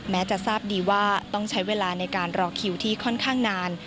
จะทราบดีว่าต้องใช้เวลาในการรอคิวที่ค่อนข้างนาน